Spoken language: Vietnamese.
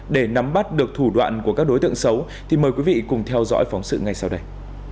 để nắm bắt được thủ đoạn của các đối tượng xấu thì mời quý vị cùng theo dõi phóng sự ngay sau đây